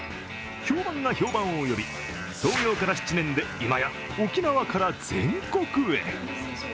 評判が評判を呼び創業から７年で今や沖縄から全国へ。